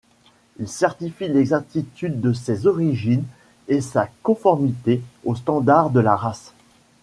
Il certifie l’exactitude de ses origines et sa conformité au standard de la race.